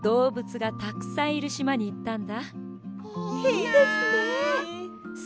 いいですね。